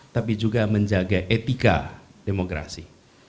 tapi juga menjaga etika demokrasi